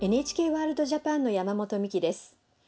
「ＮＨＫワールドＪＡＰＡＮ」の山本美希です。